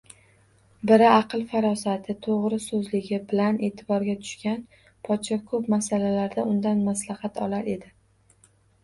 Biri aql-farosati, toʻgʻrisoʻzligi bilan eʼtiborga tushgan, podsho koʻp masalalarda undan maslahat olar edi